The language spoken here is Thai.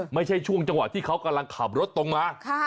ไม่ใช่ช่วงจังหวะที่เขากำลังขับรถตรงมา